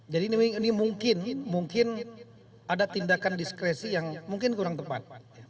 jadi ini mungkin ada tindakan diskresi yang mungkin kurang tepat